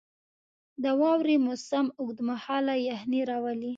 • د واورې موسم اوږد مهاله یخني راولي.